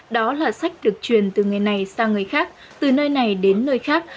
đó là sách được truyền từ nghề này sang người khác từ nơi này đến nơi khác